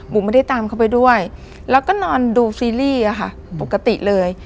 ไม่ได้ตามเขาไปด้วยแล้วก็นอนดูซีรีส์อะค่ะปกติเลย